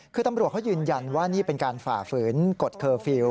คือตำรวจเขายืนยันว่านี่เป็นการฝ่าฝืนกฎเคอร์ฟิลล